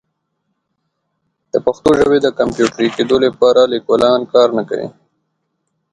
د پښتو ژبې د کمپیوټري کیدو لپاره لیکوالان کار نه کوي.